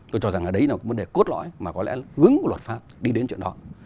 tôi cho rằng là đấy là vấn đề cốt lõi mà có lẽ hướng của luật pháp đi đến chuyện đó